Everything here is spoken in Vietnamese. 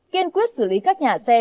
kiên quyết xử lý các nhà xe